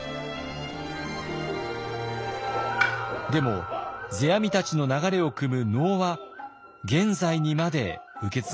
でも世阿弥たちの流れをくむ能は現在にまで受け継がれています。